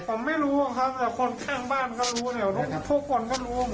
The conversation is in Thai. ผมไม่รู้แต่คนข้างบ้านก็รู้พวกคนก็รู้ไว้หมด